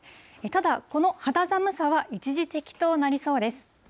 ただ、この肌寒さは一時的となりそうです。